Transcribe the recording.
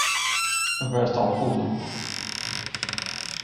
Aberto ao público